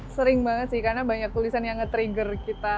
sering banget sih karena banyak tulisan yang nge trigger kita